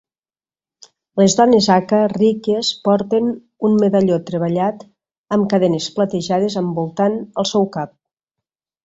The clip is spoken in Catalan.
Les dones Aka riques porten un medalló treballat amb cadenes platejades envoltant el seu cap.